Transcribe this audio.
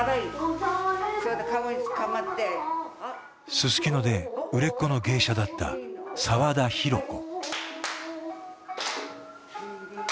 すすきので売れっ子の芸者だった澤田啓子。